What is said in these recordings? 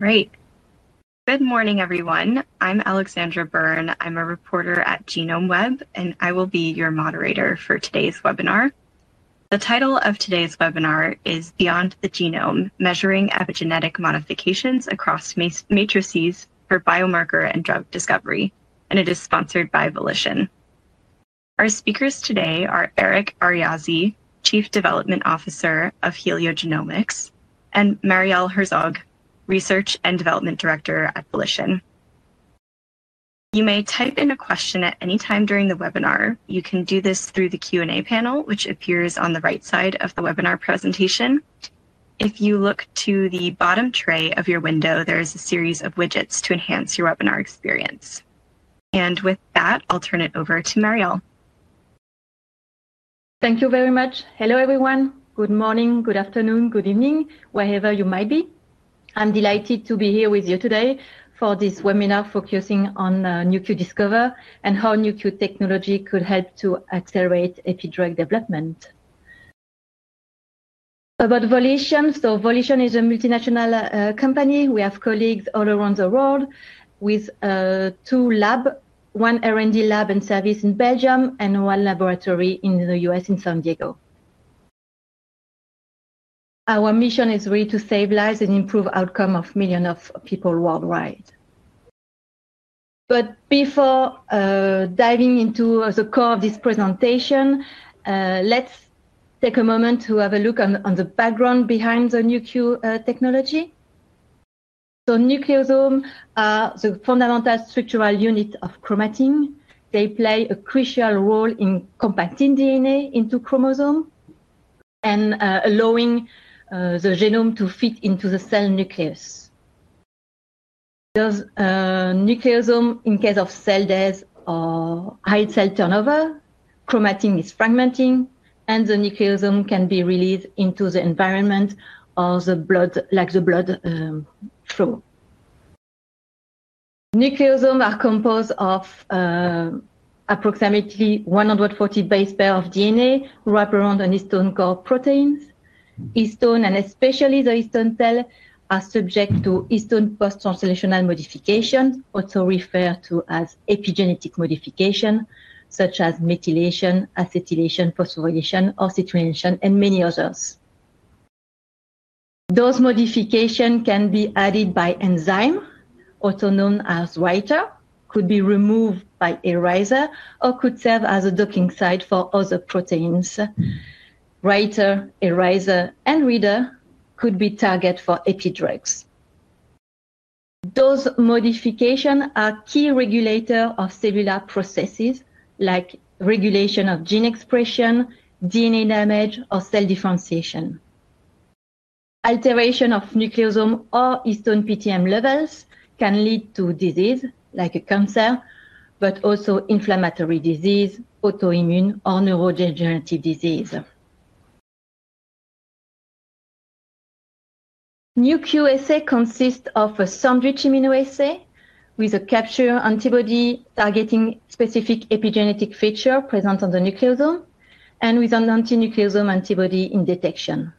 Good morning, everyone. I'm Alexandra Byrne. I'm a reporter at GenomeWeb, and I will be your moderator for today's webinar. The title of today's webinar is "Beyond the Genome: Measuring Epigenetic Modifications Across Matrices for Biomarker and Drug Discovery," and it is sponsored by Volition. Our speakers today are Eric Ariazi, Chief Development Officer of HelioGenomics, and Mariel Herzog, Research and Development Director at Volition. You may type in a question at any time during the webinar. You can do this through the Q&A panel, which appears on the right side of the webinar presentation. If you look to the bottom tray of your window, there is a series of widgets to enhance your webinar experience. With that, I'll turn it over to Mariel. Thank you very much. Hello, everyone. Good morning, good afternoon, good evening, wherever you might be. I'm delighted to be here with you today for this webinar focusing on Nu.Q Discover and how Nu.Q technology could help to accelerate epidrug development. About Volition, Volition is a multinational company. We have colleagues all around the world with two labs, one R&D lab and service in Belgium, and one laboratory in the U.S. in San Diego. Our mission is really to save lives and improve the outcome of millions of people worldwide. Before diving into the core of this presentation, let's take a moment to have a look at the background behind the Nu.Q technology. Nucleosomes are the fundamental structural unit of chromatin. They play a crucial role in compacting DNA into chromosomes and allowing the genome to fit into the cell nucleus. Those nucleosomes, in case of cell death or high cell turnover, chromatin is fragmented, and the nucleosome can be released into the environment or the blood, like the blood flow. Nucleosomes are composed of approximately 140 base pairs of DNA wrapped around a histone called proteins. Histones, and especially the histone cell, are subject to histone post-translational modifications, also referred to as epigenetic modifications, such as methylation, acetylation, phosphorylation, oxygenation, and many others. Those modifications can be added by enzymes, also known as writers, could be removed by erasers, or could serve as a docking site for other proteins. Writers, erasers, and readers could be targets for epidrugs. Those modifications are key regulators of cellular processes, like regulation of gene expression, DNA damage, or cell differentiation. Alterations of nucleosomes or histone PTM levels can lead to disease, like cancer, but also inflammatory disease, autoimmune, or neurodegenerative disease. Nu.Q assay consists of a sandwich immunoassay with a capture antibody targeting specific epigenetic features present on the nucleosome and with an antinucleosome antibody in detection.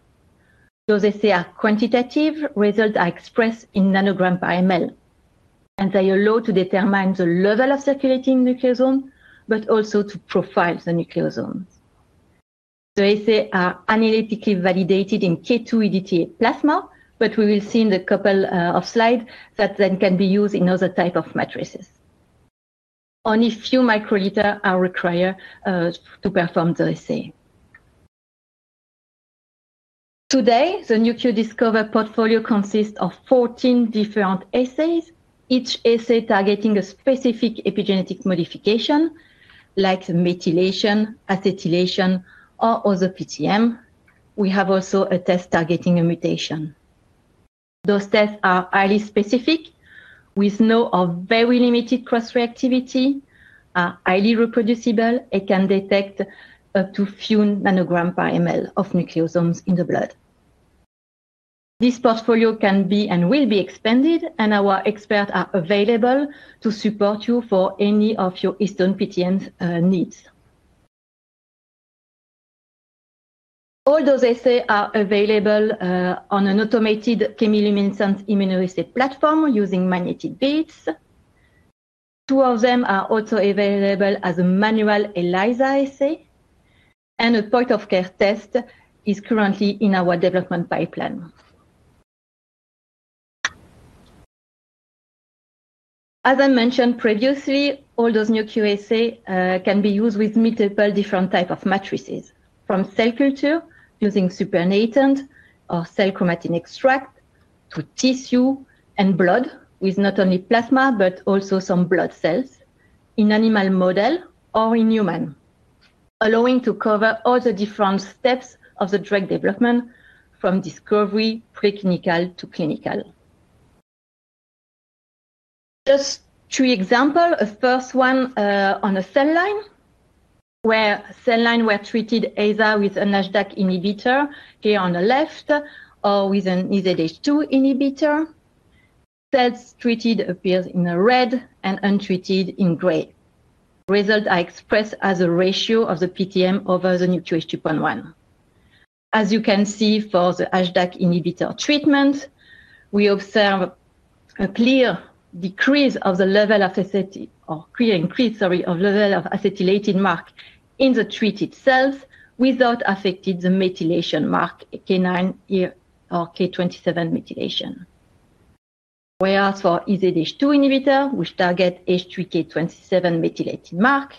Those assays are quantitative. Results are expressed in nanograms per mL. They allow us to determine the level of circulating nucleosomes, but also to profile the nucleosomes. The assays are analytically validated in K2-EDTA plasma, but we will see in a couple of slides that they can be used in other types of matrices. Only a few microliters are required to perform the assay. Today, the Nu.Q Discover portfolio consists of 14 different assays, each assay targeting a specific epigenetic modification, like methylation, acetylation, or auto PTM. We have also a test targeting a mutation. Those tests are highly specific, with no or very limited cross-reactivity, are highly reproducible, and can detect up to a few nanograms per mL of nucleosomes in the blood. This portfolio can be and will be expanded, and our experts are available to support you for any of your histone PTM needs. All those assays are available on an automated, 10 mm immunoassay platform using magnetic beads. Two of them are also available as a manual ELISA assay, and a point-of-care test is currently in our development pipeline. As I mentioned previously, all those Nu.Q assays can be used with multiple different types of matrices, from cell culture using supernatant or cell chromatin extract to tissue and blood, with not only plasma but also some blood cells in animal models or in humans, allowing to cover all the different steps of the drug development from discovery, preclinical to clinical. Just two examples. The first one on a cell line, where cell lines were treated either with an HDAC inhibitor here on the left or with an EZH2 inhibitor. Cells treated appear in the red and untreated in gray. Results are expressed as a ratio of the PTM over the nucleus 2.1. As you can see, for the HDAC inhibitor treatment, we observe a clear decrease of the level of acetylated marks in the treated cells without affecting the methylation mark, K9 or K27 methylation. Whereas for EZH2 inhibitor, which targets H3K27 methylated marks,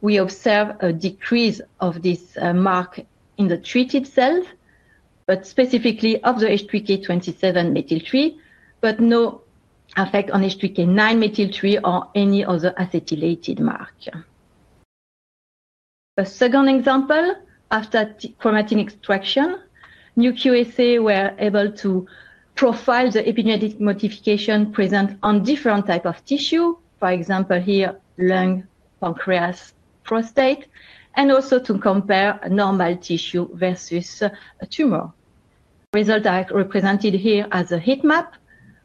we observe a decrease of this mark in the treated cells, but specifically of the H3K27Me3, but no effect on H3K9Me3 or any other acetylated mark. A second example, after chromatin extraction, Nu.Q assays were able to profile the epigenetic modifications present on different types of tissue, for example, here, lung, pancreas, prostate, and also to compare normal tissue versus a tumor. Results are represented here as a heat map,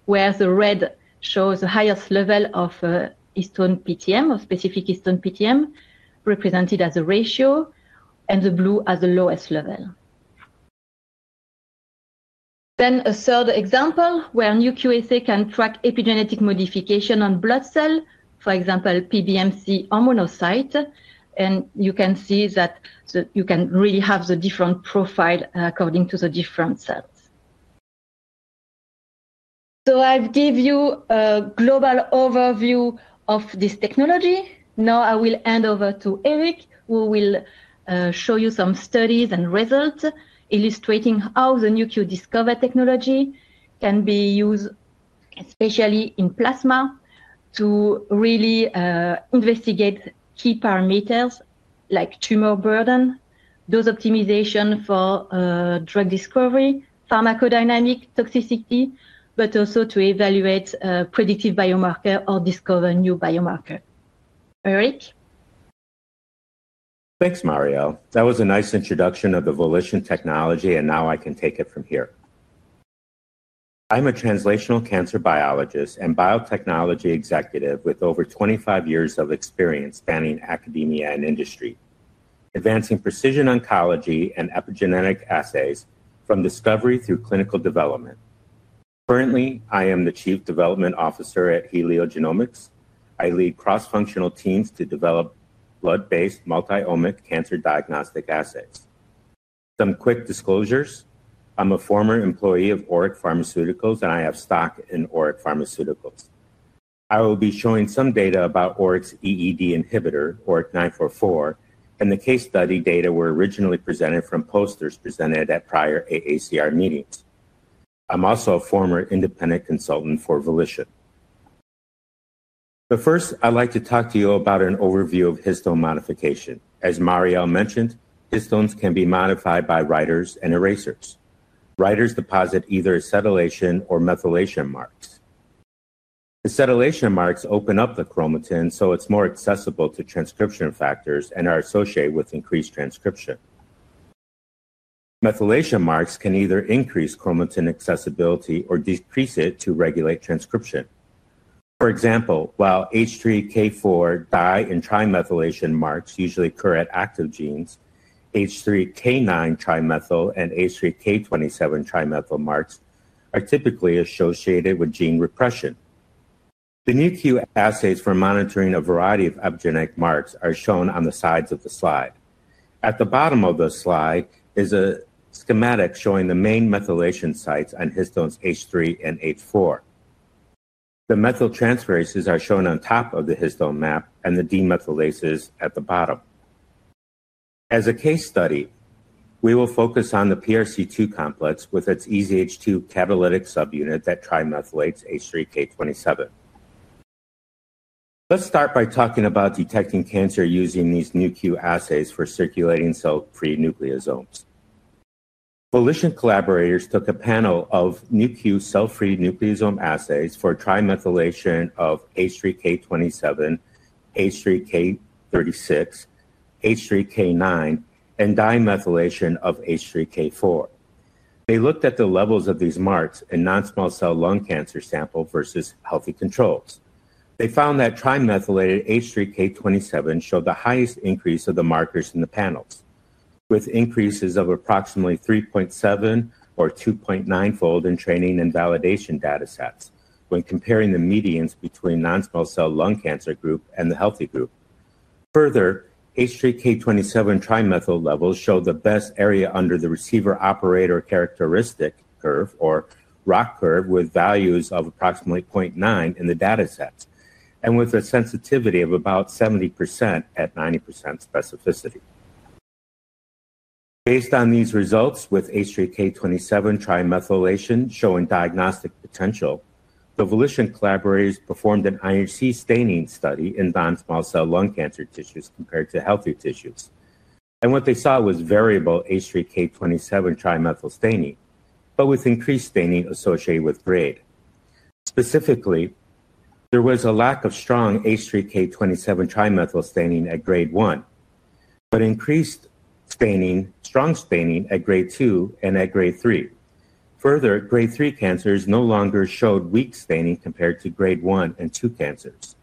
where the red shows the highest level of histone PTM, of specific histone PTM, represented as a ratio, and the blue as the lowest level. A third example, where a Nu.Q assay can track epigenetic modifications on blood cells, for example, PBMC or monocytes, and you can see that you can really have the different profiles according to the different cells. I've given you a global overview of this technology. Now I will hand over to Eric, who will show you some studies and results illustrating how the Nu.Q Discover technology can be used, especially in plasma, to really investigate key parameters like tumor burden, dose optimization for drug discovery, pharmacodynamic toxicity, but also to evaluate predictive biomarkers or discover new biomarkers. Eric? Thanks, Mariel. That was a nice introduction of the Volition technology, and now I can take it from here. I'm a translational cancer biologist and biotechnology executive with over 25 years of experience spanning academia and industry, advancing precision oncology and epigenetic assays from discovery through clinical development. Currently, I am the Chief Development Officer at Helio Genomics. I lead cross-functional teams to develop blood-based multi-omic cancer diagnostic assays. Some quick disclosures. I'm a former employee of ORIC Pharmaceuticals, and I have stock in ORIC Pharmaceuticals. I will be showing some data about ORIC's EED inhibitor, ORIC-944, and the case study data were originally presented from posters presented at prior AACR meetings. I'm also a former independent consultant for Volition. First, I'd like to talk to you about an overview of histone modification. As Mariel mentioned, histones can be modified by writers and erasers. Writers deposit either acetylation or methylation marks. Acetylation marks open up the chromatin so it's more accessible to transcription factors and are associated with increased transcription. Methylation marks can either increase chromatin accessibility or decrease it to regulate transcription. For example, while H3K4 bi- and trimethylation marks usually occur at active genes, H3K9Me3 and H3K27Me3 marks are typically associated with gene repression. The Nu.Q assays for monitoring a variety of epigenetic marks are shown on the sides of the slide. At the bottom of the slide is a schematic showing the main methylation sites on histones H3 and H4. The methyl transferases are shown on top of the histone map and the demethylases at the bottom. As a case study, we will focus on the PRC2 complex with its EZH2 catalytic subunit that trimethylates H3K27. Let's start by talking about detecting cancer using these Nu.Q assays for circulating cell-free nucleosomes. Volition collaborators took a panel of Nu.Q cell-free nucleosome assays for trimethylation of H3K27, H3K36, H3K9, and dimethylation of H3K4. They looked at the levels of these marks in non-small cell lung cancer samples versus healthy controls. They found that trimethylated H3K27 showed the highest increase of the markers in the panels, with increases of approximately 3.7 or 2.9-fold in training and validation data sets when comparing the medians between the non-small cell lung cancer group and the healthy group. Further, H3K27Me3 levels showed the best area under the receiver-operator characteristic curve, or ROC curve, with values of approximately 0.9 in the data sets and with a sensitivity of about 70% at 90% specificity. Based on these results with H3K27 trimethylation showing diagnostic potential, the Volition collaborators performed an IHC staining study in non-small cell lung cancer tissues compared to healthy tissues. What they saw was variable H3K27Me3 staining, with increased staining associated with grade. Specifically, there was a lack of strong H3K27Me3 staining at grade 1, but increased staining, strong staining at Grade 2 and at Grade 3. Further, Grade 3 cancers no longer showed weak staining compared to Grade 1 and 2 cancers.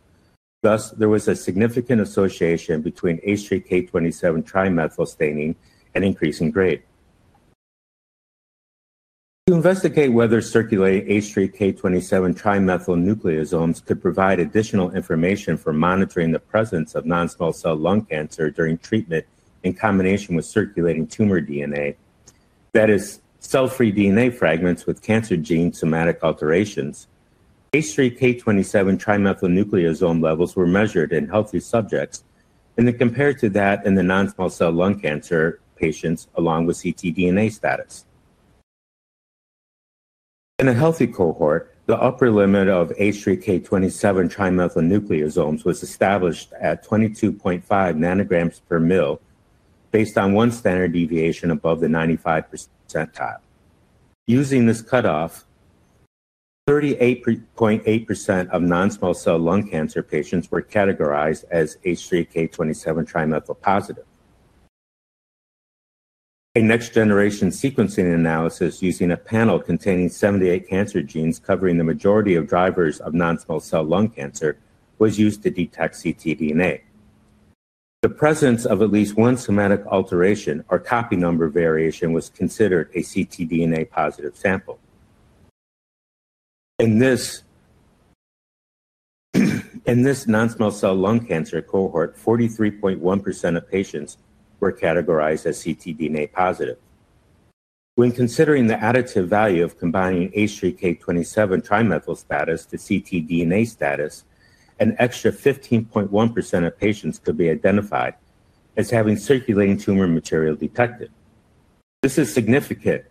Thus, there was a significant association between H3K27Me3 staining and increase in grade. To investigate whether circulating H3K27Me3 nucleosomes could provide additional information for monitoring the presence of non-small cell lung cancer during treatment in combination with circulating tumor DNA, that is, cell-free DNA fragments with cancer gene somatic alterations, H3K27Me3 nucleosome levels were measured in healthy subjects and then compared to that in the non-small cell lung cancer patients along with ctDNA status. In a healthy cohort, the upper limit of H3K27Me3 nucleosomes was established at 22.5 ng/mL, based on one standard deviation above the 95% percentile. Using this cutoff, 38.8% of non-small cell lung cancer patients were categorized as H3K27Me3 positive. A next-generation sequencing analysis using a panel containing 78 cancer genes covering the majority of drivers of non-small cell lung cancer was used to detect ctDNA. The presence of at least one somatic alteration or copy number variation was considered a ctDNA positive sample. In this non-small cell lung cancer cohort, 43.1% of patients were categorized as ctDNA positive. When considering the additive value of combining H3K27Me3 status to ctDNA status, an extra 15.1% of patients could be identified as having circulating tumor material detected. This is significant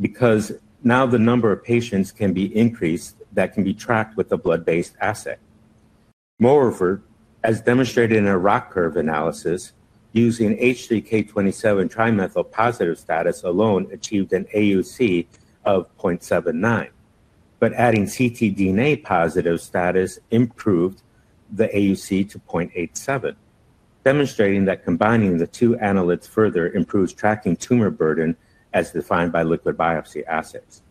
because now the number of patients can be increased that can be tracked with a blood-based assay. Moreover, as demonstrated in a ROC curve analysis, using H3K27Me3 positive status alone achieved an AUC of 0.79. Adding ctDNA positive status improved the AUC to 0.87, demonstrating that combining the two analytes further improves tracking tumor burden as defined by liquid biopsy assays.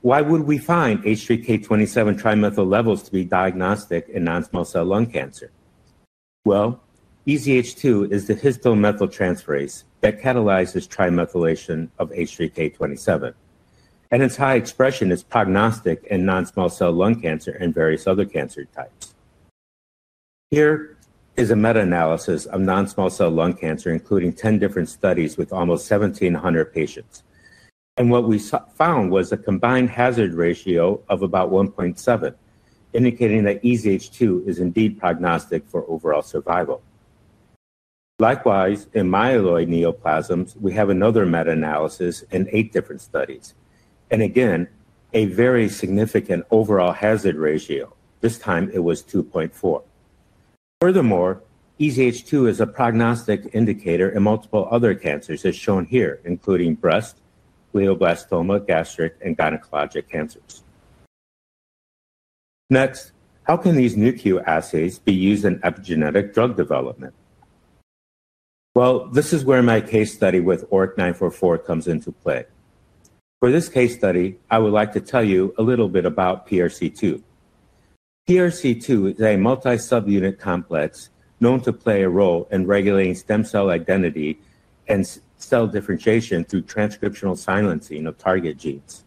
Why would we find H3K27Me3 levels to be diagnostic in non-small cell lung cancer? EZH2 is the histone methyl transferase that catalyzes trimethylation of H3K27, and its high expression is prognostic in non-small cell lung cancer and various other cancer types. Here is a meta-analysis of non-small cell lung cancer, including 10 different studies with almost 1,700 patients. What we found was a combined hazard ratio of about 1.7, indicating that EZH2 is indeed prognostic for overall survival. Likewise, in myeloid neoplasms, we have another meta-analysis in eight different studies. Again, a very significant overall hazard ratio. This time, it was 2.4. Furthermore, EZH2 is a prognostic indicator in multiple other cancers as shown here, including breast, glioblastoma, gastric, and gynecologic cancers. Next, how can these Nu.Q assays be used in epigenetic drug development? This is where my case study with ORIC-944 comes into play. For this case study, I would like to tell you a little bit about PRC2. PRC2 is a multi-subunit complex known to play a role in regulating stem cell identity and cell differentiation through transcriptional silencing of target genes.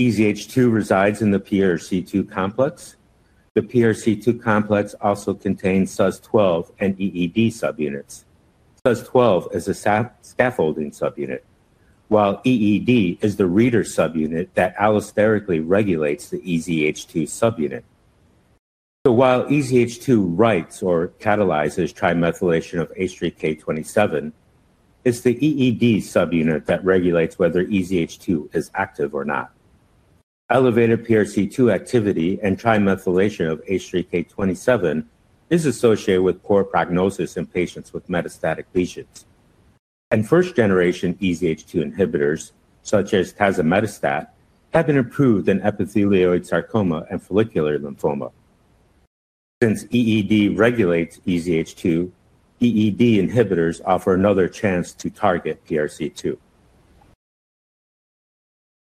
EZH2 resides in the PRC2 complex. The PRC2 complex also contains SUZ12 and EED subunits. SUZ12 is a scaffolding subunit, while EED is the reader subunit that allosterically regulates the EZH2 subunit. While EZH2 writes or catalyzes trimethylation of H3K27, it's the EED subunit that regulates whether EZH2 is active or not. Elevated PRC2 activity and trimethylation of H3K27 is associated with poor prognosis in patients with metastatic lesions. First-generation EZH2 inhibitors, such as tazemetostat, have been approved in epithelioid sarcoma and follicular lymphoma. Since EED regulates EZH2, EED inhibitors offer another chance to target PRC2.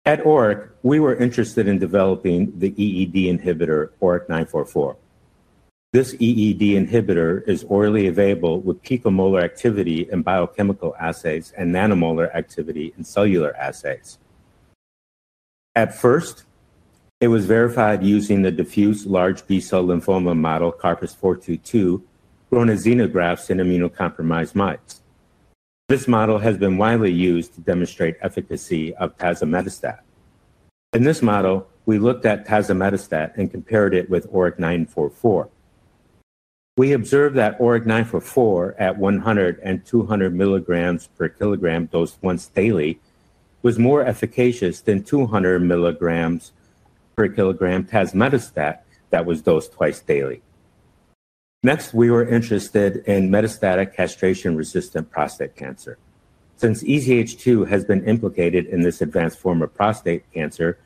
At ORIC, we were interested in developing the EED inhibitor ORIC-944. This EED inhibitor is orally available with picomolar activity in biochemical assays and nanomolar activity in cellular assays. At first, it was verified using the diffuse large B-cell lymphoma model, KARPAS-422, growing xenografts in immunocompromised mice. This model has been widely used to demonstrate the efficacy of tazemetostat. In this model, we looked at tazemetostat and compared it with ORIC-944. We observed that ORIC-944 at 100 mg/kg and 200 mg/kg dosed once daily was more efficacious than 200 mg/kg tazemetostat that was dosed twice daily. Next, we were interested in metastatic castration-resistant prostate cancer. Since EZH2 has been implicated in this advanced form of prostate cancer,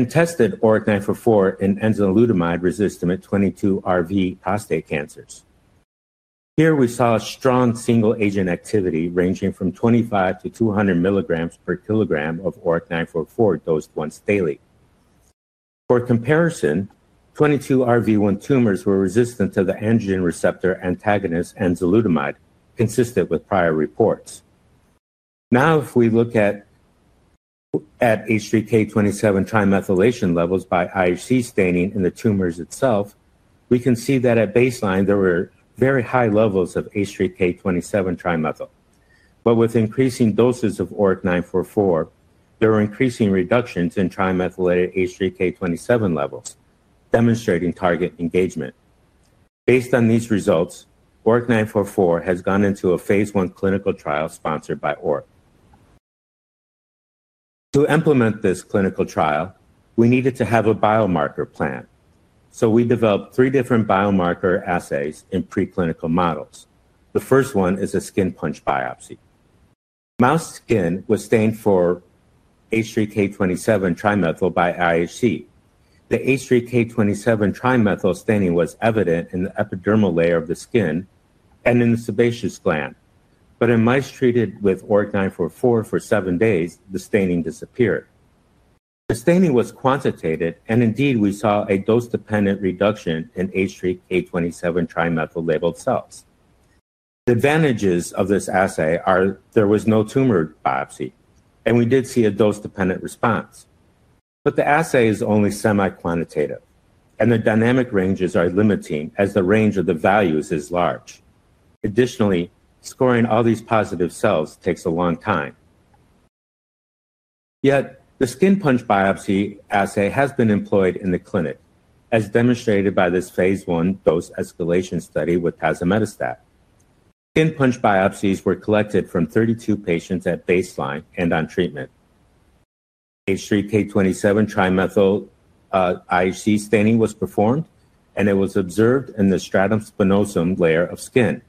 we tested ORIC-944 in enzalutamide-resistant 22RV1 prostate cancers. Here, we saw a strong single-agent activity ranging from 25 mg/kg-200 mg/kg of ORIC-944 dosed once daily. For comparison, 22RV1 tumors were resistant to the androgen receptor antagonist enzalutamide, consistent with prior reports. Now, if we look at H3K27 trimethylation levels by IHC staining in the tumors itself, we can see that at baseline, there were very high levels of H3K27Me3. With increasing doses of ORIC-944, there were increasing reductions in trimethylated H3K27 levels, demonstrating target engagement. Based on these results, ORIC-944 has gone into a Phase I clinical trial sponsored by ORIC. To implement this clinical trial, we needed to have a biomarker plan. We developed three different biomarker assays in preclinical models. The first one is a skin punch biopsy. Mouse skin was stained for H3K27Me3 by IHC. The H3K27Me3 staining was evident in the epidermal layer of the skin and in the sebaceous gland. In mice treated with ORIC-944 for seven days, the staining disappeared. The staining was quantitative, and indeed, we saw a dose-dependent reduction in H3K27Me3 labeled cells. The advantages of this assay are there was no tumor biopsy, and we did see a dose-dependent response. The assay is only semi-quantitative, and the dynamic ranges are limiting as the range of the values is large. Additionally, scoring all these positive cells takes a long time. Yet the skin punch biopsy assay has been employed in the clinic, as demonstrated by this Phase I dose escalation study with tazemetostat. Skin punch biopsies were collected from 32 patients at baseline and on treatment. H3K27Me3 IHC staining was performed, and it was observed in the stratum spinosum layer of skin.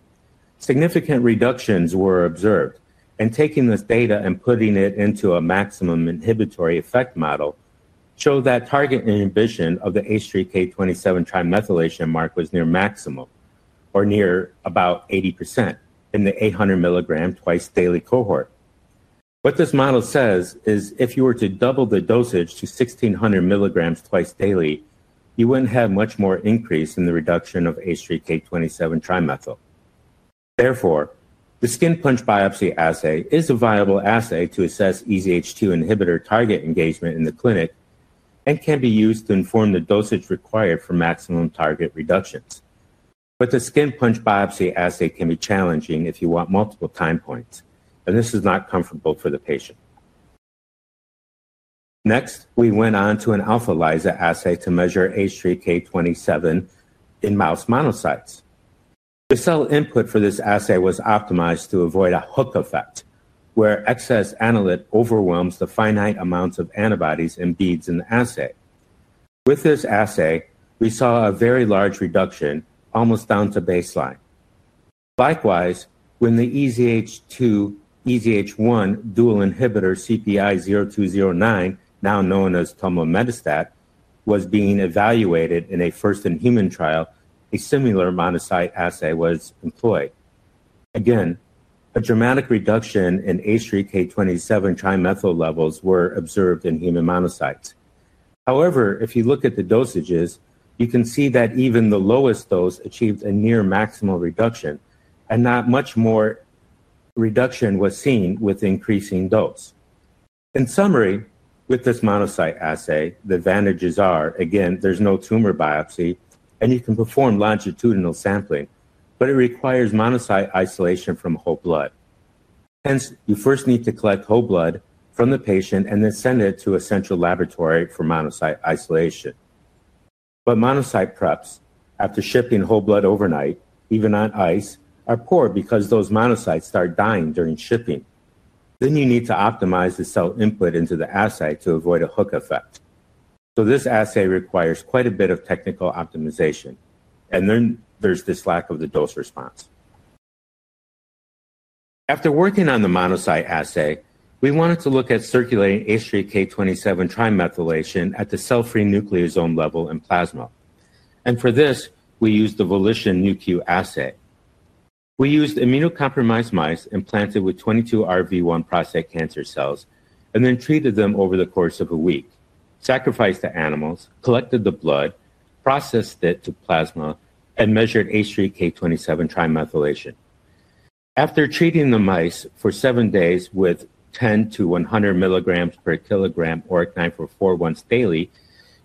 Significant reductions were observed, and taking this data and putting it into a maximum inhibitory effect model showed that target inhibition of the H3K27 trimethylation mark was near maximum or near about 80% in the 800 mg twice daily cohort. What this model says is if you were to double the dosage to 1,600 mg twice daily, you wouldn't have much more increase in the reduction of H3K27Me3. Therefore, the skin punch biopsy assay is a viable assay to assess EZH2 inhibitor target engagement in the clinic and can be used to inform the dosage required for maximum target reductions. The skin punch biopsy assay can be challenging if you want multiple time points, and this is not comfortable for the patient. Next, we went on to an alpha-lyasa assay to measure H3K27 in mouse monocytes. The cell input for this assay was optimized to avoid a hook effect, where excess analytes overwhelm the finite amounts of antibodies and beads in the assay. With this assay, we saw a very large reduction, almost down to baseline. Likewise, when the EZH2/EZH1 dual inhibitor CPI-0209, now known as tulmimetostat, was being evaluated in a first-in-human trial, a similar monocyte assay was employed. Again, a dramatic reduction in H3K27Me3 levels was observed in human monocytes. However, if you look at the dosages, you can see that even the lowest dose achieved a near maximal reduction, and not much more reduction was seen with increasing dose. In summary, with this monocyte assay, the advantages are, again, there's no tumor biopsy, and you can perform longitudinal sampling, but it requires monocyte isolation from whole blood. Hence, you first need to collect whole blood from the patient and then send it to a central laboratory for monocyte isolation. Monocyte preps, after shipping whole blood overnight, even on ice, are poor because those monocytes start dying during shipping. You need to optimize the cell input into the assay to avoid a hook effect. This assay requires quite a bit of technical optimization, and then there's this lack of the dose response. After working on the monocyte assay, we wanted to look at circulating H3K27 trimethylation at the cell-free nucleosome level in plasma. For this, we used the Volition Nu.Q assay. We used immunocompromised mice implanted with 22RV1 prostate cancer cells and then treated them over the course of a week, sacrificed the animals, collected the blood, processed it to plasma, and measured H3K27 trimethylation. After treating the mice for seven days with 10 mg/kg-100 mg/kg ORIC-944 once daily,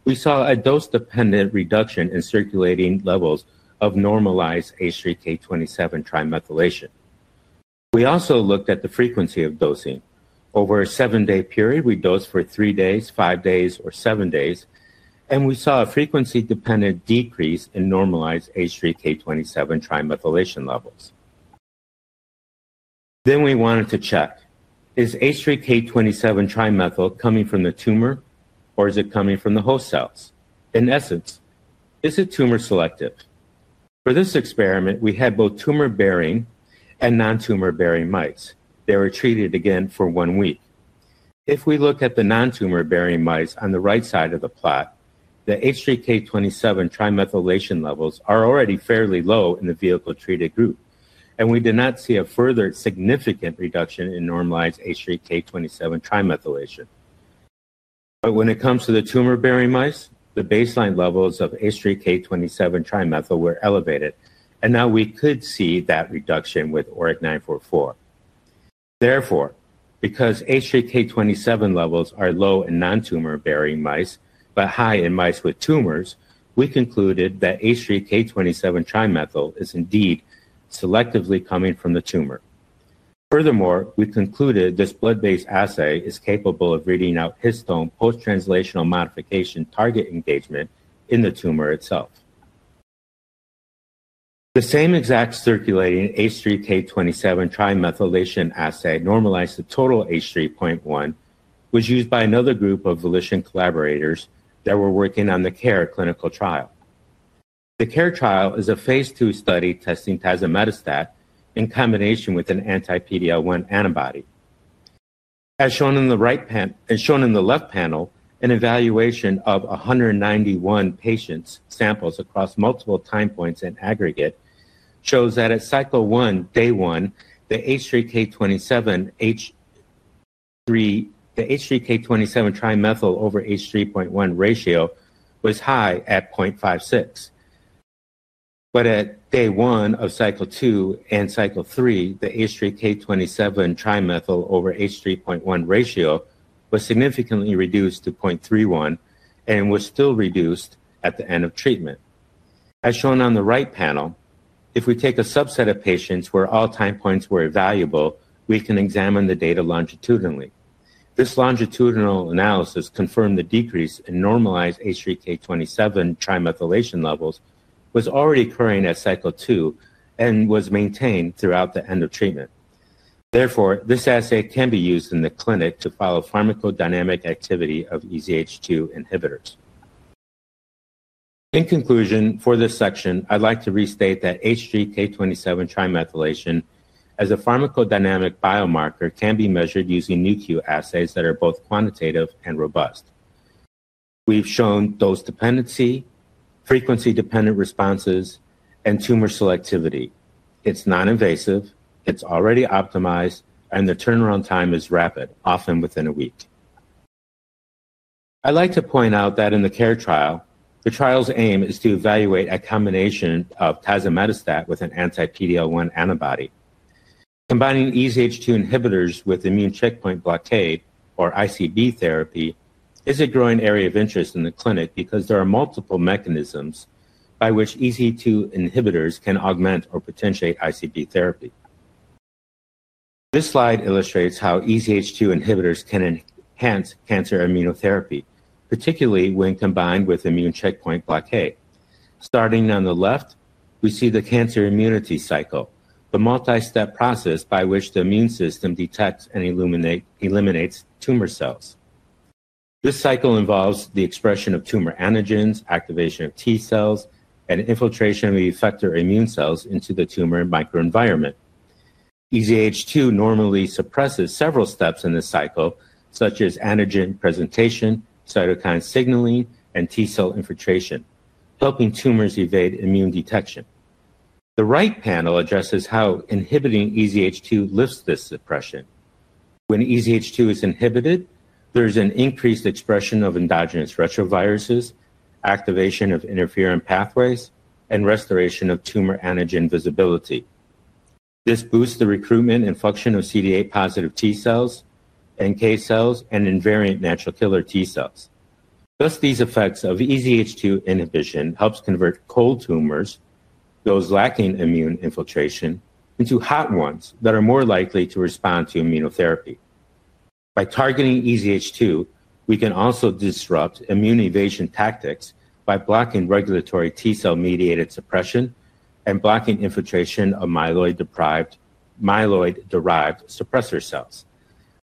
we saw a dose-dependent reduction in circulating levels of normalized H3K27 trimethylation. We also looked at the frequency of dosing. Over a seven-day period, we dosed for three days, five days, or seven days, and we saw a frequency-dependent decrease in normalized H3K27 trimethylation levels. We wanted to check, is H3K27Me3 coming from the tumor, or is it coming from the host cells? In essence, is it tumor selective? For this experiment, we had both tumor-bearing and non-tumor-bearing mice. They were treated again for one week. If we look at the non-tumor-bearing mice on the right side of the plot, the H3K27 trimethylation levels are already fairly low in the vehicle-treated group, and we did not see a further significant reduction in normalized H3K27 trimethylation. When it comes to the tumor-bearing mice, the baseline levels of H3K27Me3 were elevated, and now we could see that reduction with ORIC-944. Therefore, because H3K27 levels are low in non-tumor-bearing mice but high in mice with tumors, we concluded that H3K27Me3 is indeed selectively coming from the tumor. Furthermore, we concluded this blood-based assay is capable of reading out histone post-translational modification target engagement in the tumor itself. The same exact circulating H3K27 trimethylation assay normalized to total H3.1 was used by another group of Volition collaborators that were working on the CARE clinical trial. The CARE trial is a Phase II study testing tazemetostat in combination with an anti-PD-L1 antibody. As shown in the left panel, an evaluation of 191 patients' samples across multiple time points and aggregate shows that at cycle one, day one, the H3K27Me3 over H3.1 ratio was high at 0.56. At day one of cycle two and cycle three, the H3K27Me3 over H3.1 ratio was significantly reduced to 0.31 and was still reduced at the end of treatment. As shown on the right panel, if we take a subset of patients where all time points were valuable, we can examine the data longitudinally. This longitudinal analysis confirmed the decrease in normalized H3K27 trimethylation levels was already occurring at cycle two and was maintained throughout the end of treatment. Therefore, this assay can be used in the clinic to follow pharmacodynamic activity of EZH2 inhibitors. In conclusion, for this section, I'd like to restate that H3K27 trimethylation as a pharmacodynamic biomarker can be measured using Nu.Q assays that are both quantitative and robust. We've shown dose dependency, frequency-dependent responses, and tumor selectivity. It's non-invasive, it's already optimized, and the turnaround time is rapid, often within a week. I'd like to point out that in the CARE trial, the trial's aim is to evaluate a combination of tazemetostat with an anti-PD-L1 antibody. Combining EZH2 inhibitors with immune checkpoint blockade or ICB therapy is a growing area of interest in the clinic because there are multiple mechanisms by which EZH2 inhibitors can augment or potentiate ICB therapy. This slide illustrates how EZH2 inhibitors can enhance cancer immunotherapy, particularly when combined with immune checkpoint blockade. Starting on the left, we see the cancer immunity cycle, the multi-step process by which the immune system detects and eliminates tumor cells. This cycle involves the expression of tumor antigens, activation of T cells, and infiltration of effector immune cells into the tumor microenvironment. EZH2 normally suppresses several steps in this cycle, such as antigen presentation, cytokine signaling, and T cell infiltration, helping tumors evade immune detection. The right panel addresses how inhibiting EZH2 lifts this suppression. When EZH2 is inhibited, there is an increased expression of endogenous retroviruses, activation of interferon pathways, and restoration of tumor antigen visibility. This boosts the recruitment and function of CD8-positive T cells and NK cells and invariant natural killer T cells. Thus, these effects of EZH2 inhibition help convert cold tumors, those lacking immune infiltration, into hot ones that are more likely to respond to immunotherapy. By targeting EZH2, we can also disrupt immune evasion tactics by blocking regulatory T cell-mediated suppression and blocking infiltration of myeloid-derived suppressor cells.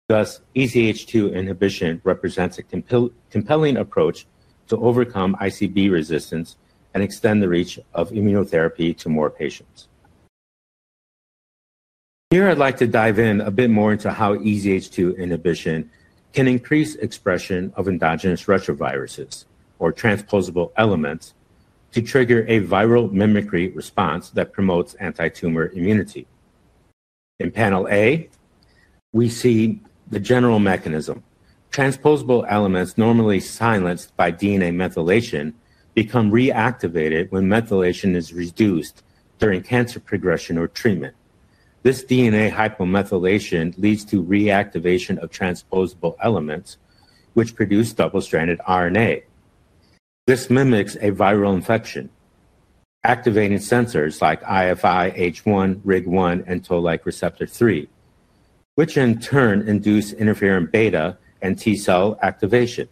Thus, EZH2 inhibition represents a compelling approach to overcome ICB resistance and extend the reach of immunotherapy to more patients. Here, I'd like to dive in a bit more into how EZH2 inhibition can increase the expression of endogenous retroviruses or transposable elements to trigger a viral mimicry response that promotes anti-tumor immunity. In Panel A, we see the general mechanism. Transposable elements, normally silenced by DNA methylation, become reactivated when methylation is reduced during cancer progression or treatment. This DNA hypomethylation leads to reactivation of transposable elements, which produce double-stranded RNA. This mimics a viral infection, activating sensors like IFIH1, RIG-I, and toll-like receptor 3, which in turn induce interferon beta and T cell activation.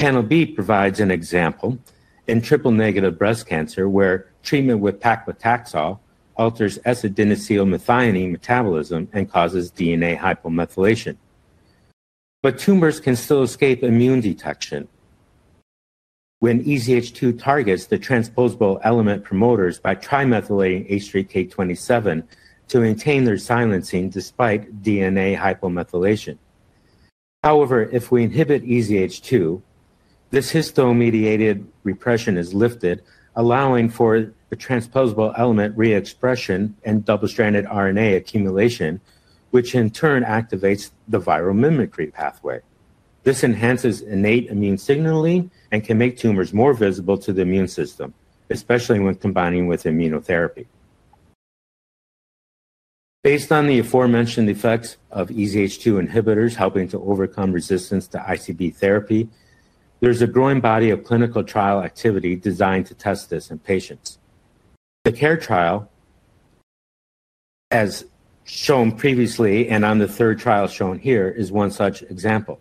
Panel B provides an example in triple-negative breast cancer, where treatment with paclitaxel alters acetylcysteine methionine metabolism and causes DNA hypomethylation. Tumors can still escape immune detection when EZH2 targets the transposable element promoters by trimethylating H3K27 to maintain their silencing despite DNA hypomethylation. However, if we inhibit EZH2, this histone-mediated repression is lifted, allowing for transposable element re-expression and double-stranded RNA accumulation, which in turn activates the viral mimicry pathway. This enhances innate immune signaling and can make tumors more visible to the immune system, especially when combining with immunotherapy. Based on the aforementioned effects of EZH2 inhibitors helping to overcome resistance to ICB therapy, there's a growing body of clinical trial activity designed to test this in patients. The CARE trial, as shown previously and on the third trial shown here, is one such example.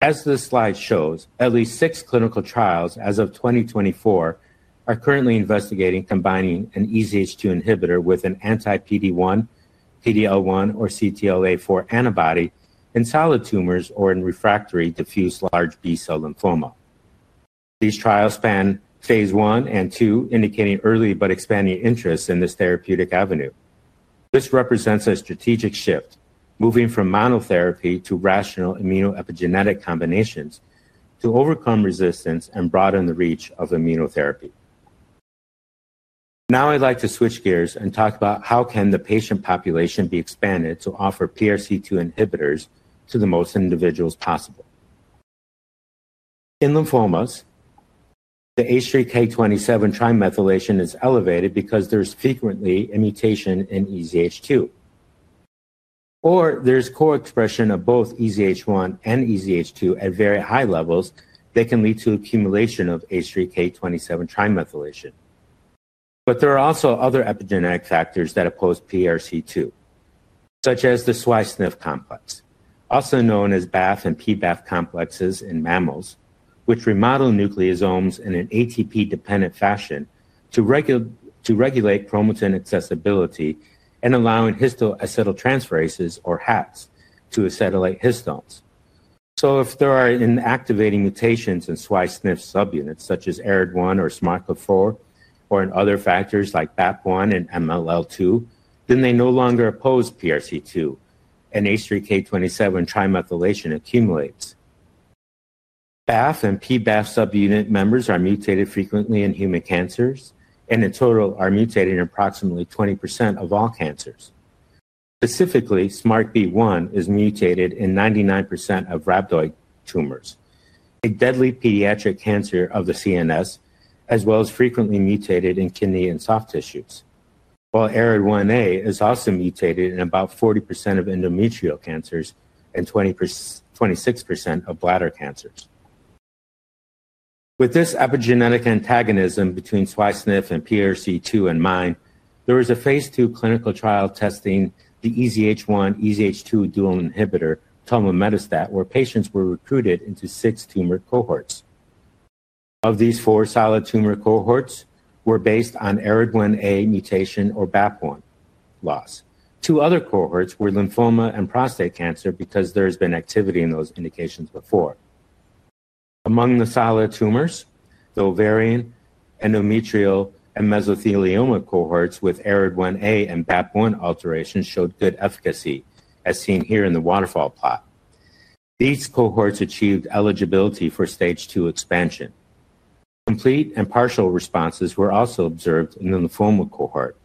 As the slide shows, at least six clinical trials as of 2024 are currently investigating combining an EZH2 inhibitor with an anti-PD-1, PD-L1, or CTLA4 antibody in solid tumors or in refractory diffuse large B-cell lymphoma. These trials span Phase I and II, indicating early but expanding interest in this therapeutic avenue. This represents a strategic shift, moving from monotherapy to rational immunoepigenetic combinations to overcome resistance and broaden the reach of immunotherapy. Now I'd like to switch gears and talk about how the patient population can be expanded to offer PRC2 inhibitors to the most individuals possible. In lymphomas, the H3K27 trimethylation is elevated because there's frequently a mutation in EZH2, or there's co-expression of both EZH1 and EZH2 at very high levels that can lead to accumulation of H3K27 trimethylation. There are also other epigenetic factors that oppose PRC2, such as the SWI/SNF complex, also known as BAF and PBAF complexes in mammals, which remodel nucleosomes in an ATP-dependent fashion to regulate chromatin accessibility and allow histone acetyltransferases, or HATs, to acetylate histones. If there are inactivating mutations in SWI/SNF subunits, such as ARID1 or SMARCA4, or in other factors like BAP1 and MLL2, then they no longer oppose PRC2, and H3K27 trimethylation accumulates. BAF and PBAF subunit members are mutated frequently in human cancers and in total are mutated in approximately 20% of all cancers. Specifically, SMARCB1 is mutated in 99% of rhabdoid tumors, a deadly pediatric cancer of the CNS, as well as frequently mutated in kidney and soft tissues, while ARID1A is also mutated in about 40% of endometrial cancers and 26% of bladder cancers. With this epigenetic antagonism between SWI/SNF and PRC2 in mind, there was a Phase II clinical trial testing the EZH1/EZH2 dual inhibitor tumametastat, where patients were recruited into six tumor cohorts. Of these, four solid tumor cohorts were based on ARID1A mutation or BAP1 loss. Two other cohorts were lymphoma and prostate cancer because there has been activity in those indications before. Among the solid tumors, the ovarian, endometrial, and mesothelioma cohorts with ARID1A and BAP1 alterations showed good efficacy, as seen here in the waterfall plot. These cohorts achieved eligibility for Stage 2 expansion. Complete and partial responses were also observed in the lymphoma cohort.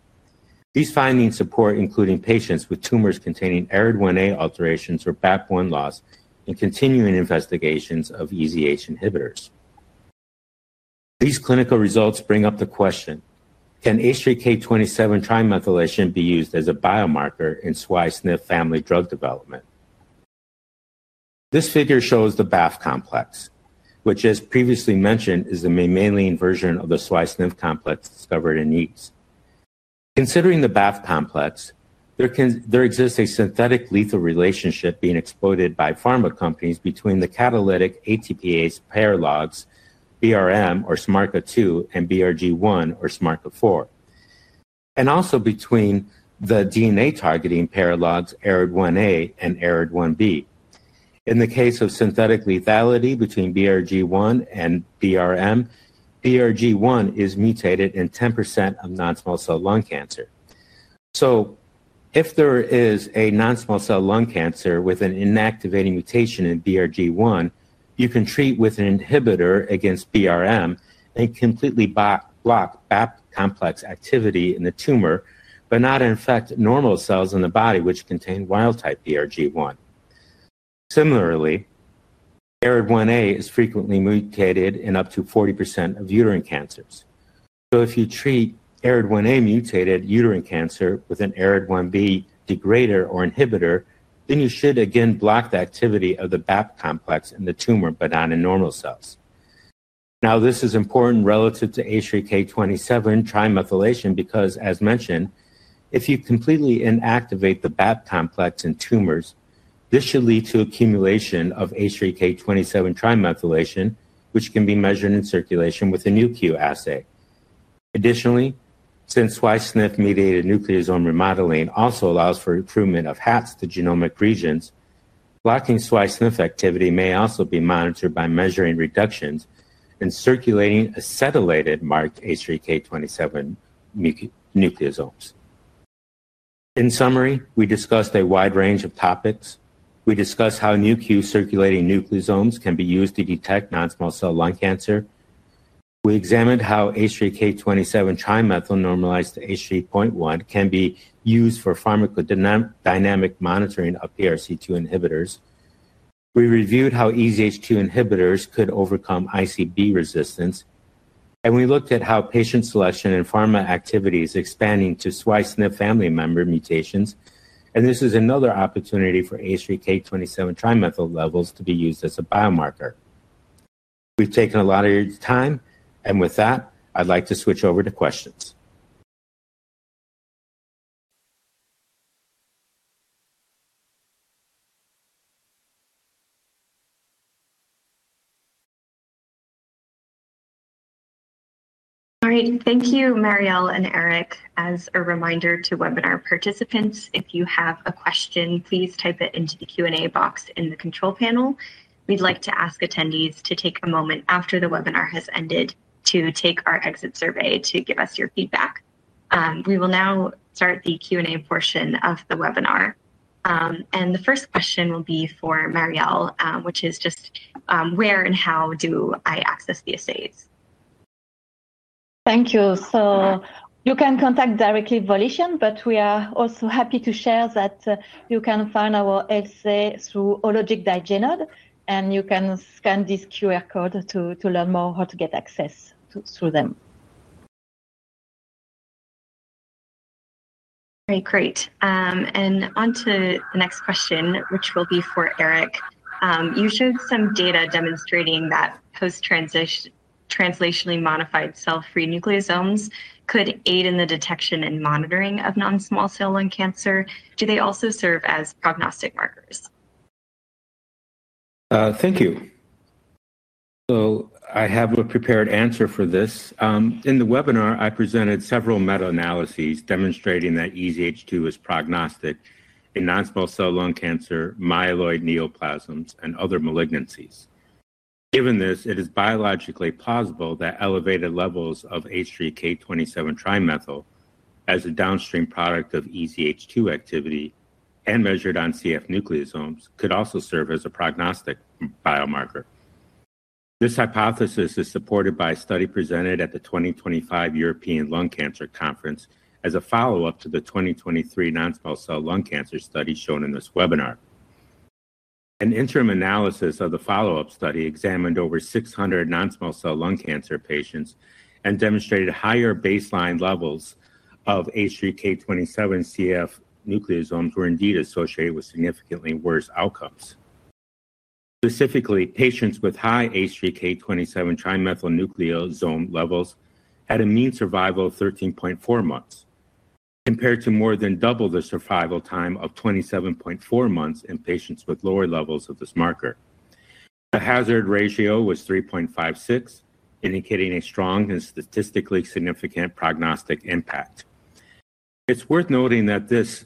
These findings support including patients with tumors containing ARID1A alterations or BAP1 loss and continuing investigations of EZH inhibitors. These clinical results bring up the question, can H3K27 trimethylation be used as a biomarker in SWI/SNF family drug development? This figure shows the BAF complex, which, as previously mentioned, is the mammalian version of the SWI/SNF complex discovered in yeast. Considering the BAF complex, there exists a synthetic lethal relationship being exploited by pharma companies between the catalytic ATPase paralogs, BRM or SMARCA2, and BRG1 or SMARCA4, and also between the DNA targeting paralogs ARID1A and ARID1B. In the case of synthetic lethality between BRG1 and BRM, BRG1 is mutated in 10% of non-small cell lung cancer. If there is a non-small cell lung cancer with an inactivating mutation in BRG1, you can treat with an inhibitor against BRM and completely block BAF complex activity in the tumor, but not affect normal cells in the body which contain wild-type BRG1. Similarly, ARID1A is frequently mutated in up to 40% of uterine cancers. If you treat ARID1A-mutated uterine cancer with an ARID1B degrader or inhibitor, then you should again block the activity of the BAF complex in the tumor, but not in normal cells. Now, this is important relative to H3K27 trimethylation because, as mentioned, if you completely inactivate the BAF complex in tumors, this should lead to accumulation of H3K27 trimethylation, which can be measured in circulation with a Nu.Q assay. Additionally, since SWI/SNF-mediated nucleosome remodeling also allows for recruitment of HATs to genomic regions, blocking SWI/SNF activity may also be monitored by measuring reductions in circulating acetylated marked H3K27 nucleosomes. In summary, we discussed a wide range of topics. We discussed how Nu.Q circulating nucleosomes can be used to detect non-small cell lung cancer. We examined how H3K27Me3 normalized to H3.1 can be used for pharmacodynamic monitoring of PRC2 inhibitors. We reviewed how EZH2 inhibitors could overcome ICB resistance, and we looked at how patient selection and pharma activity is expanding to SWI/SNF family member mutations, and this is another opportunity for H3K27Me3 levels to be used as a biomarker. We've taken a lot of your time, and with that, I'd like to switch over to questions. All right. Thank you, Mariel and Eric. As a reminder to webinar participants, if you have a question, please type it into the Q&A box in the control panel. We'd like to ask attendees to take a moment after the webinar has ended to take our exit survey to give us your feedback. We will now start the Q&A portion of the webinar. The first question will be for Mariel, which is just, where and how do I access the assays? Thank you. You can contact directly Volition, but we are also happy to share that you can find our assay through HOLOGIC Diagenode, and you can scan this QR code to learn more how to get access through them. All right, great. Onto the next question, which will be for Eric. You showed some data demonstrating that post-translationally modified cell-free nucleosomes could aid in the detection and monitoring of non-small cell lung cancer. Do they also serve as prognostic markers? Thank you. I have a prepared answer for this. In the webinar, I presented several meta-analyses demonstrating that EZH2 is prognostic in non-small cell lung cancer, myeloid neoplasms, and other malignancies. Given this, it is biologically plausible that elevated levels of H3K27Me3, as a downstream product of EZH2 activity and measured on circulating nucleosomes, could also serve as a prognostic biomarker. This hypothesis is supported by a study presented at the 2025 European Lung Cancer Conference as a follow-up to the 2023 non-small cell lung cancer study shown in this webinar. An interim analysis of the follow-up study examined over 600 non-small cell lung cancer patients and demonstrated higher baseline levels of H3K27 CF nucleosomes were indeed associated with significantly worse outcomes. Specifically, patients with high H3K27Me3 nucleosome levels had a mean survival of 13.4 months, compared to more than double the survival time of 27.4 months in patients with lower levels of this marker. The hazard ratio was 3.56, indicating a strong and statistically significant prognostic impact. It's worth noting that this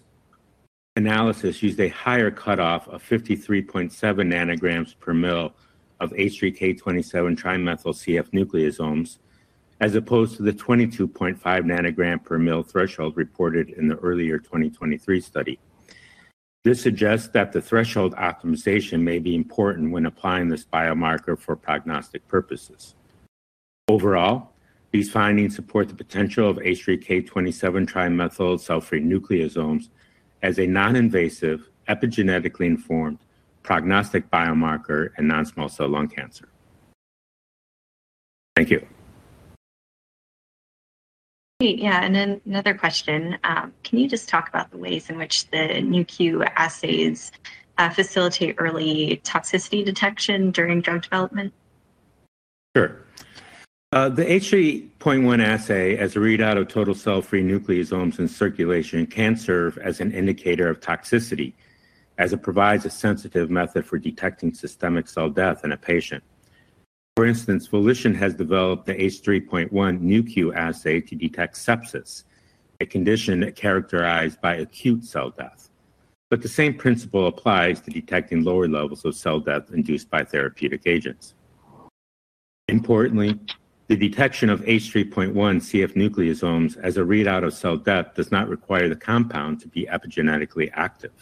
analysis used a higher cutoff of 53.7 ng/mL of H3K27Me3 CF nucleosomes, as opposed to the 22.5 ng/mL threshold reported in the earlier 2023 study. This suggests that the threshold optimization may be important when applying this biomarker for prognostic purposes. Overall, these findings support the potential of H3K27Me3 cell-free nucleosomes as a non-invasive, epigenetically informed prognostic biomarker in non-small cell lung cancer. Thank you. Great. Yeah, another question. Can you just talk about the ways in which the Nu.Q assays facilitate early toxicity detection during drug development? Sure. The H3.1 assay as a readout of total cell-free nucleosomes in circulation can serve as an indicator of toxicity, as it provides a sensitive method for detecting systemic cell death in a patient. For instance, Volition has developed the H3.1 Nu.Q assay to detect sepsis, a condition characterized by acute cell death. The same principle applies to detecting lower levels of cell death induced by therapeutic agents. Importantly, the detection of H3.1 CF nucleosomes as a readout of cell death does not require the compound to be epigenetically active.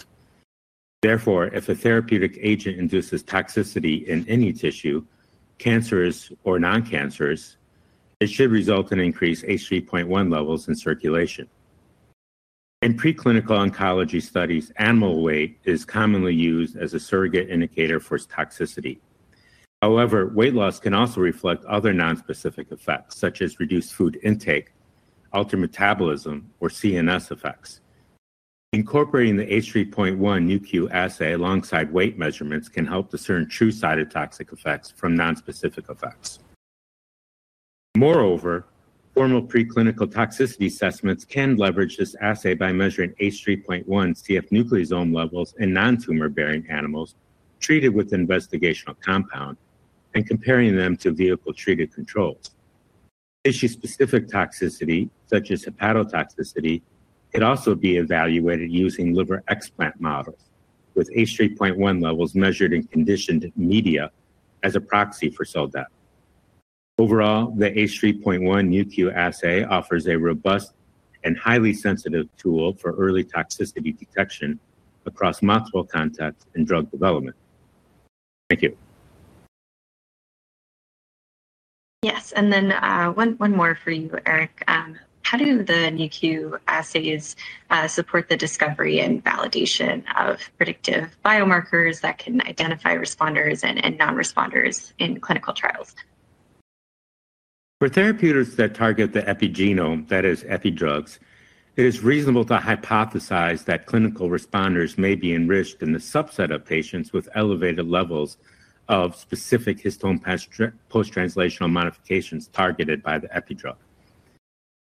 Therefore, if a therapeutic agent induces toxicity in any tissue, cancerous or non-cancerous, it should result in increased H3.1 levels in circulation. In preclinical oncology studies, animal weight is commonly used as a surrogate indicator for toxicity. However, weight loss can also reflect other nonspecific effects, such as reduced food intake, altered metabolism, or CNS effects. Incorporating the H3.1 Nu.Q assay alongside weight measurements can help discern true cytotoxic effects from nonspecific effects. Moreover, formal preclinical toxicity assessments can leverage this assay by measuring H3.1 CF nucleosome levels in non-tumor-bearing animals treated with an investigational compound and comparing them to vehicle-treated controls. Tissue-specific toxicity, such as hepatotoxicity, could also be evaluated using liver explant models, with H3.1 levels measured in conditioned media as a proxy for cell death. Overall, the H3.1 Nu.Q assay offers a robust and highly sensitive tool for early toxicity detection across multiple contexts in drug development. Thank you. Yes, and then one more for you, Eric. How do the Nu.Q assays support the discovery and validation of predictive biomarkers that can identify responders and non-responders in clinical trials? For therapeutics that target the epigenome, that is, epidrugs, it is reasonable to hypothesize that clinical responders may be enriched in the subset of patients with elevated levels of specific histone post-translational modifications targeted by the epidrug.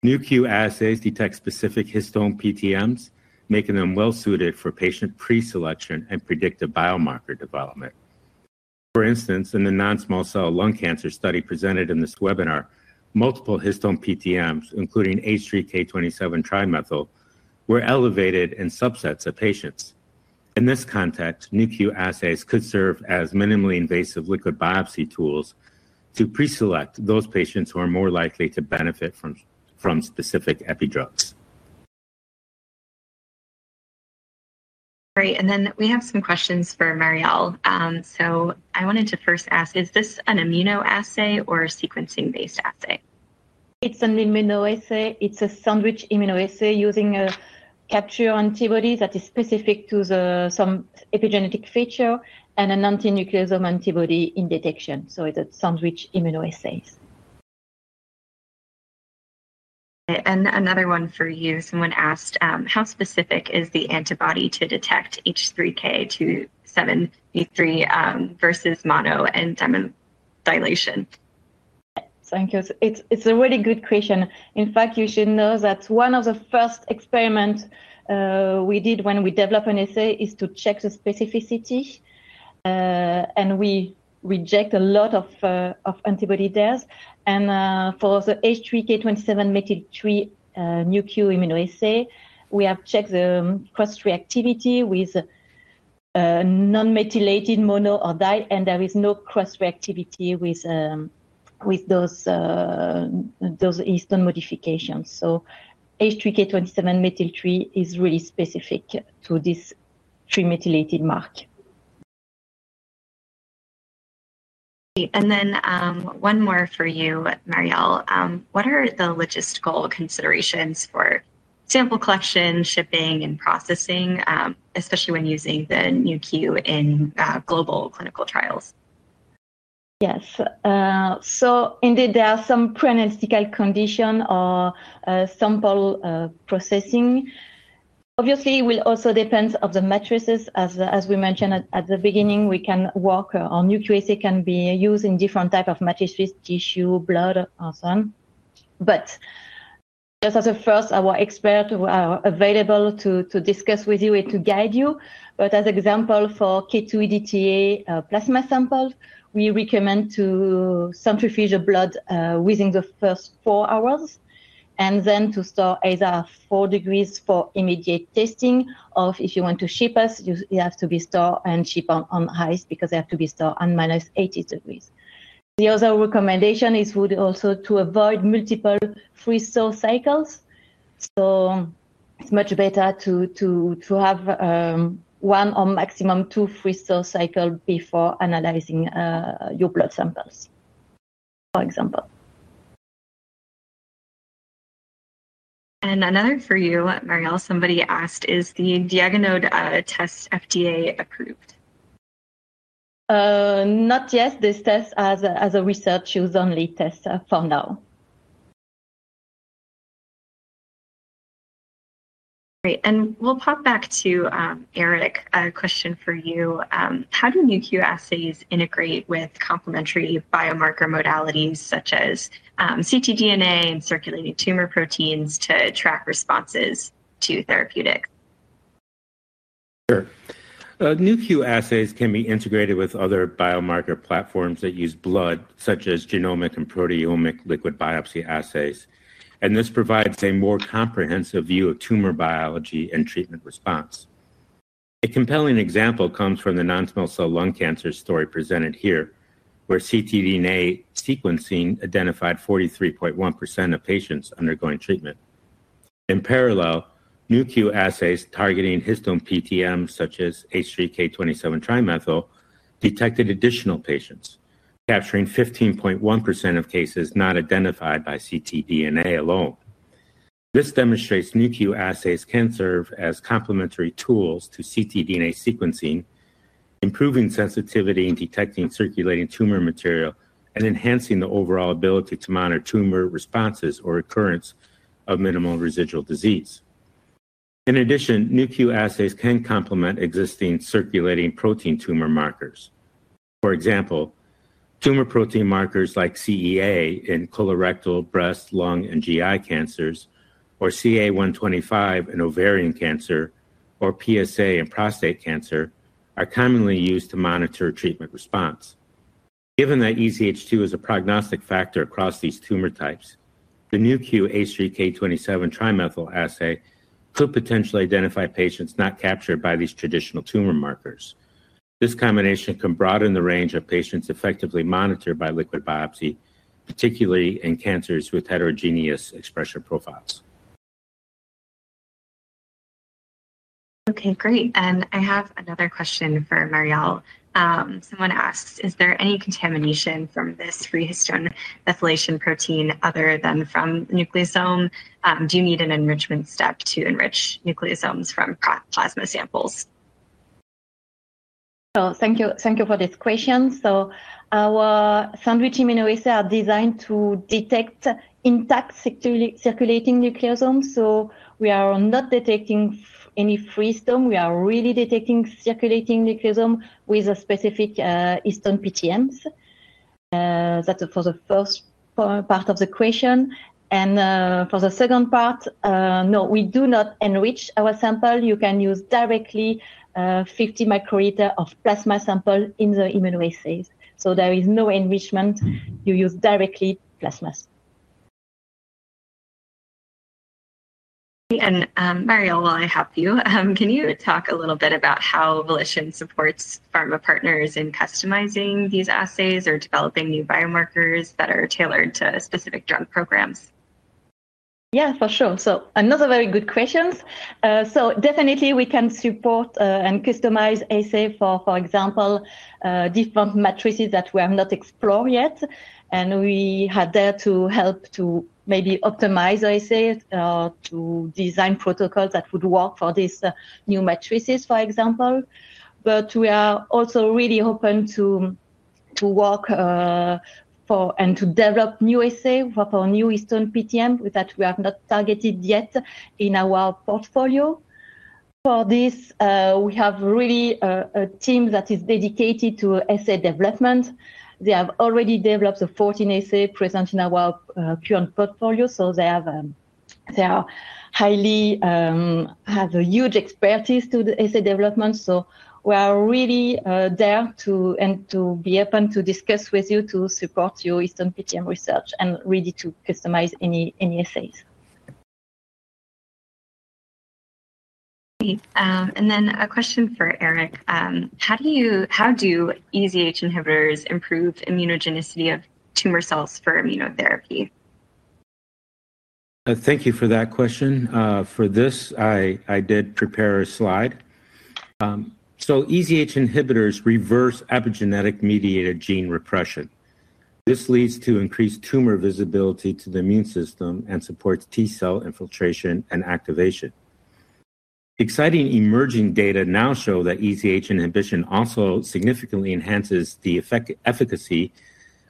Nu.Q assays detect specific histone PTMs, making them well-suited for patient pre-selection and predictive biomarker development. For instance, in the non-small cell lung cancer study presented in this webinar, multiple histone PTMs, including H3K27 trimethylation, were elevated in subsets of patients. In this context, Nu.Q assays could serve as minimally invasive liquid biopsy tools to pre-select those patients who are more likely to benefit from specific epidrugs. Great, we have some questions for Mariel. I wanted to first ask, is this an immunoassay or a sequencing-based assay? It's an immunoassay. It's a sandwich immunoassay using a capture antibody that is specific to some epigenetic feature and an anti-nucleosome antibody in detection. It's a sandwich immunoassay. Another one for you. Someone asked, how specific is the antibody to detect H3K27Me3 versus mono and dimethylation? Thank you. It's a very good question. In fact, you should know that one of the first experiments we did when we developed an assay is to check the specificity, and we rejected a lot of antibody there. For the H3K27Me3 Nu.Q immunoassay, we have checked the cross-reactivity with non-methylated, mono, or di, and there is no cross-reactivity with those histone modifications. H3K27Me3 is really specific to this trimethylated mark. One more for you, Mariel. What are the logistical considerations for sample collection, shipping, and processing, especially when using the Nu.Q platform in global clinical trials? Yes. So indeed, there are some pre-analytical conditions or sample processing. Obviously, it will also depend on the matrices. As we mentioned at the beginning, we can work on Nu.Q assays that can be used in different types of matrices, tissue, blood, or some. Just as a first, our experts who are available to discuss with you and to guide you, but as an example for K2-EDTA plasma samples, we recommend to centrifuge your blood within the first four hours and then to store at 4°C for immediate testing. If you want to ship us, you have to be stored and shipped on ice because they have to be stored at -80°C. The other recommendation is also to avoid multiple freeze-store cycles. It's much better to have one or maximum two freeze-store cycles before analyzing your blood samples, for example. Another for you, Mariel. Somebody asked, is the Diagenode test FDA approved? Not yet. This test is a research-use-only test for now. Great. We'll pop back to Eric. A question for you. How do Nu.Q assays integrate with complementary biomarker modalities such as ctDNA and circulating tumor proteins to track responses to therapeutics? Sure. Nu.Q assays can be integrated with other biomarker platforms that use blood, such as genomic and proteomic liquid biopsy assays, and this provides a more comprehensive view of tumor biology and treatment response. A compelling example comes from the non-small cell lung cancer story presented here, where ctDNA sequencing identified 43.1% of patients undergoing treatment. In parallel, Nu.Q assays targeting histone PTMs such as H3K27Me3 detected additional patients, capturing 15.1% of cases not identified by ctDNA alone. This demonstrates Nu.Q assays can serve as complementary tools to ctDNA sequencing, improving sensitivity in detecting circulating tumor material and enhancing the overall ability to monitor tumor responses or recurrence of minimal residual disease. In addition, Nu.Q assays can complement existing circulating protein tumor markers. For example, tumor protein markers like CEA in colorectal, breast, lung, and GI cancers, or CA-125 in ovarian cancer, or PSA in prostate cancer are commonly used to monitor treatment response. Given that EZH2 is a prognostic factor across these tumor types, the Nu.Q H3K27Me3 assay could potentially identify patients not captured by these traditional tumor markers. This combination can broaden the range of patients effectively monitored by liquid biopsy, particularly in cancers with heterogeneous expression profiles. OK, great. I have another question for Mariel. Someone asks, is there any contamination from this free histone methylation protein other than from nucleosome? Do you need an enrichment step to enrich nucleosomes from plasma samples? Thank you for this question. Our sandwich immunoassays are designed to detect intact circulating nucleosomes. We are not detecting any free histone. We are really detecting circulating nucleosome with specific histone PTMs. That is for the first part of the question. For the second part, no, we do not enrich our sample. You can use directly 50 microliters of plasma sample in the immunoassays. There is no enrichment. You use directly plasma. Mariel, while I have you, can you talk a little bit about how Volition supports pharma partners in customizing these assays or developing new biomarkers that are tailored to specific drug programs? Yeah, for sure. Another very good question. We can support and customize assays for, for example, different matrices that we have not explored yet. We are there to help to maybe optimize assays or to design protocols that would work for these new matrices, for example. We are also really open to work for and to develop new assays for new histone PTM that we have not targeted yet in our portfolio. For this, we have really a team that is dedicated to assay development. They have already developed 14 assays present in our current portfolio. They have a huge expertise to the assay development. We are really there and open to discuss with you to support your histone PTM research and really to customize any assays. A question for Eric. How do EZH inhibitors improve the immunogenicity of tumor cells for immunotherapy? Thank you for that question. For this, I did prepare a slide. EZH inhibitors reverse epigenetic-mediated gene repression. This leads to increased tumor visibility to the immune system and supports T cell infiltration and activation. Exciting emerging data now show that EZH inhibition also significantly enhances the efficacy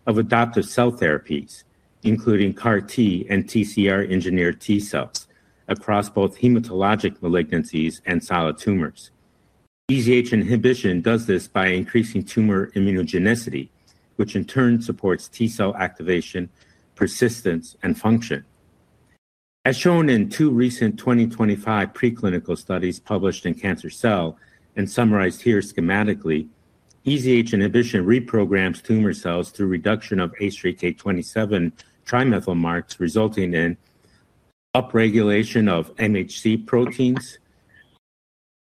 of adaptive cell therapies, including CAR-T and TCR-engineered T cells across both hematologic malignancies and solid tumors. EZH inhibition does this by increasing tumor immunogenicity, which in turn supports T cell activation, persistence, and function. As shown in two recent 2025 preclinical studies published in Cancer Cell and summarized here schematically, EZH inhibition reprograms tumor cells through reduction of H3K27Me3 marks, resulting in upregulation of MHC proteins,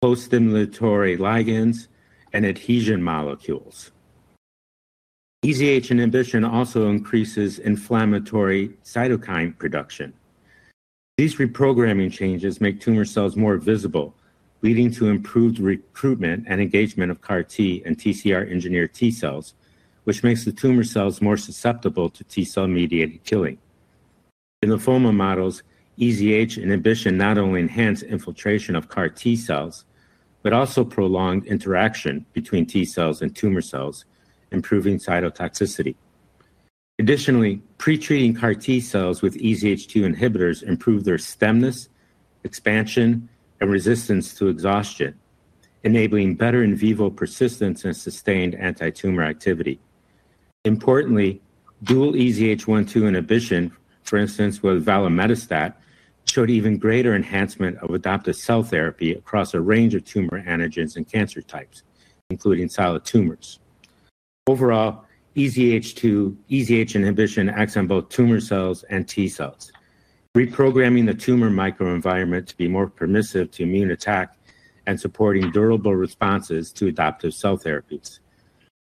post-stimulatory ligands, and adhesion molecules. EZH inhibition also increases inflammatory cytokine production. These reprogramming changes make tumor cells more visible, leading to improved recruitment and engagement of CAR-T and TCR-engineered T cells, which makes the tumor cells more susceptible to T cell-mediated killing. In lymphoma models, EZH inhibition not only enhances infiltration of CAR-T cells but also prolongs interaction between T cells and tumor cells, improving cytotoxicity. Additionally, pretreating CAR-T cells with EZH2 inhibitors improves their stemness, expansion, and resistance to exhaustion, enabling better in vivo persistence and sustained anti-tumor activity. Importantly, dual EZH1/EZH2 inhibition, for instance, with tumametastat, showed even greater enhancement of adaptive cell therapy across a range of tumor antigens and cancer types, including solid tumors. Overall, EZH2/EZH inhibition acts on both tumor cells and T cells, reprogramming the tumor microenvironment to be more permissive to immune attack and supporting durable responses to adaptive cell therapies.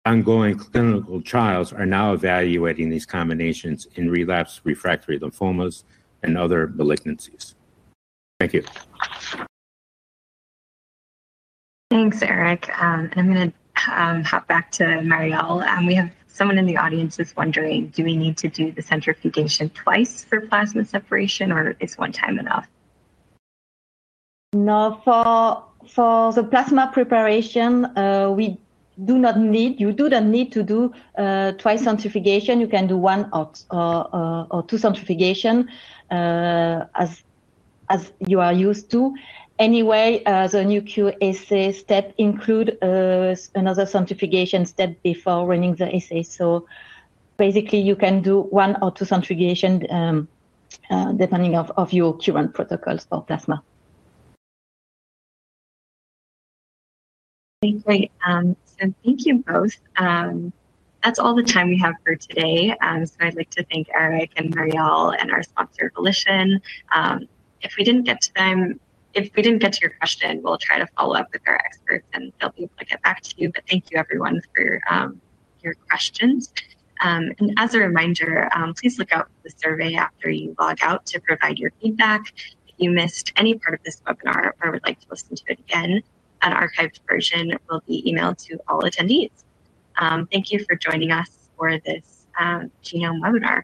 Ongoing clinical trials are now evaluating these combinations in relapsed refractory lymphomas and other malignancies. Thank you. Thanks, Eric. I'm going to hop back to Mariel. We have someone in the audience who's wondering, do we need to do the centrifugation twice for plasma separation, or is one time enough? No. For the plasma preparation, we do not need you to do twice centrifugation. You can do one or two centrifugations as you are used to. Anyway, the Nu.Q assay step includes another centrifugation step before running the assay. Basically, you can do one or two centrifugations depending on your current protocols for plasma. Great. Thank you both. That's all the time we have for today. I'd like to thank Eric and Mariel and our sponsor, Volition. If we didn't get to your question, we'll try to follow up with our experts, and they'll be able to get back to you. Thank you, everyone, for your questions. As a reminder, please look out for the survey after you log out to provide your feedback. If you missed any part of this webinar or would like to listen to it again, an archived version will be emailed to all attendees. Thank you for joining us for this GenomeWeb webinar.